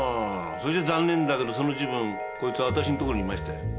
それじゃ残念だけどその時分こいつはあたしんとこにいましたよ。ね？